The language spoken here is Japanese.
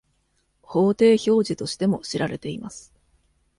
「法定表示」としても知られています。